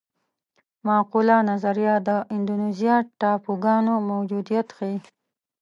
معقوله نظریه د اندونیزیا ټاپوګانو موجودیت ښيي.